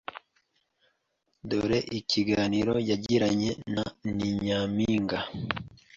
Dore ikiganiro yagiranye na Ni Nyampinga